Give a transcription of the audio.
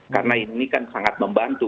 karena ini kan sangat membantu